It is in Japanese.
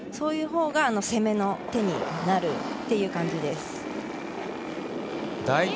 そういうほうが攻めの手になるという感じです。